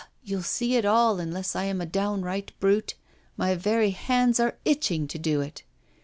you'll see it all, unless I am a downright brute. My very hands are itching to do it.